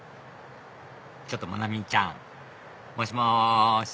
ちょっとまなみちゃん！もしもし？